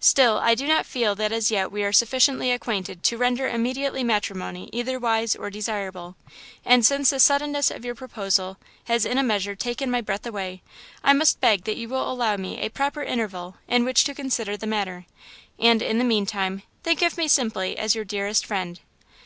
"Still, I do not feel that as yet we are sufficiently acquainted to render immediate matrimony either wise or desirable, and since the suddenness of your proposal has in a measure taken my breath away, I must beg that you will allow me a proper interval in which to consider the matter, and, in the meantime, think of me simply as your dearest friend.